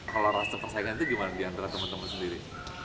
kalau rasa persaingan itu gimana diantara teman teman sendiri